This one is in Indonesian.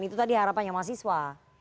itu tadi harapannya mahasiswa